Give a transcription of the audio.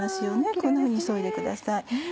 こんなふうにそいでください。